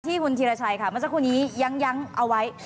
คุณธีรชัยค่ะเมื่อสักครู่นี้ยั้งเอาไว้